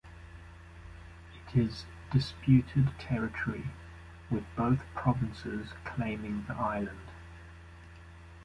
It is disputed territory, with both provinces claiming the island.